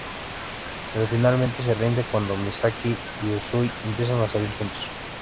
Pero finalmente, se rinde cuando Misaki y Usui empiezan a salir juntos.